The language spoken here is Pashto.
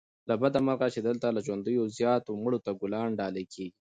له بده مرغه چې دلته له ژوندیو زيات مړو ته ګلان ډالې کېږي